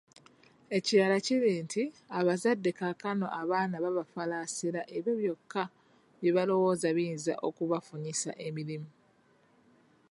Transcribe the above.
Ekirala kiri nti abazadde kaakano abaana babafalaasira ebyo byokka bye balowooza biyinza okubafunyisa emirimu,